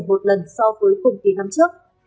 ước hai mươi một một lần so với cùng kỳ năm trước